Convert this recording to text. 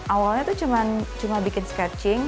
awalnya tuh cuma bikin sketching